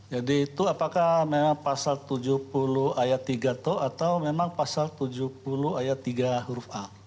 jadi itu apakah memang pasal tujuh puluh ayat tiga atau memang pasal tujuh puluh ayat tiga huruf a